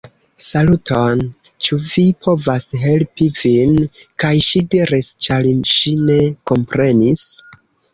"Saluton? Ĉu mi povas helpi vin?" kaj ŝi diris, ĉar ŝi ne komprenis: